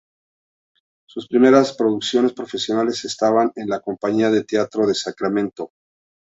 Sus primeras producciones profesionales estaban en La Compañía de Teatro de Sacramento.